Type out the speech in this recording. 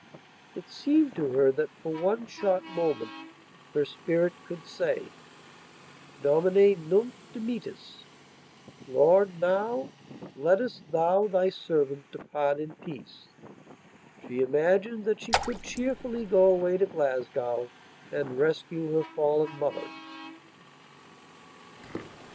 It seemed to her that for one short moment her spirit could say: "Domine, nunc dimittis,... Lord, now, lettest thou thy servant depart in peace." She imagined that she could cheerfully go away to Glasgow and rescue her fallen mother.